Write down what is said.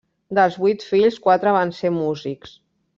Dels vuit fills, quatre van ser músics.